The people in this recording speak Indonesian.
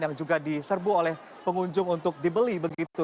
yang juga diserbu oleh pengunjung untuk dibeli begitu